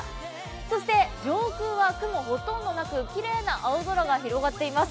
そして上空は雲がほとんどなくきれいな青空が広がっています。